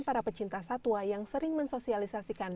para pecinta satwa yang sering mensosialisasikan